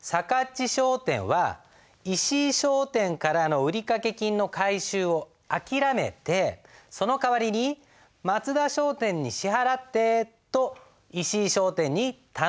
ち商店は石井商店からの売掛金の回収を諦めてその代わりに「松田商店に支払って」と石井商店に頼んだ訳です。